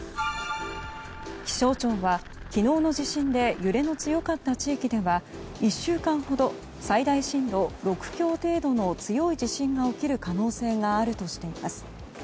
気象庁は昨日の地震で揺れの強かった地域では１週間ほど最大震度６強程度の強い地震が起きる可能性があるとしています。